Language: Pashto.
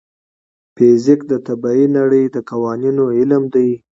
فزیک د طبیعي نړۍ د قوانینو علم دی.